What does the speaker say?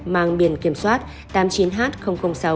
mang biển kiểm soát tám mươi chín h sáu trăm bốn mươi năm